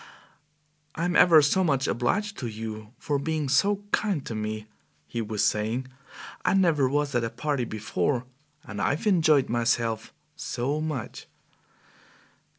"I'm ever so much obliged to you for being so kind to me!" he was saying; "I never was at a party before, and I've enjoyed myself so much!"